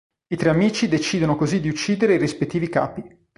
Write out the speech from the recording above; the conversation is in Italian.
I tre amici decidono così di uccidere i rispettivi capi.